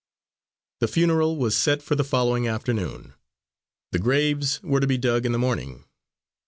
The funeral was set for the following afternoon. The graves were to be dug in the morning.